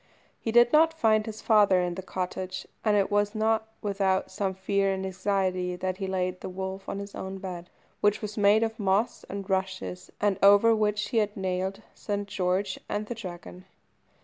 He did not find his father in the cottage, and it was not without some fear and anxiety that he laid the wolf on his own bed, which was made of moss and rushes, and over which he had nailed St. George and the Dragon.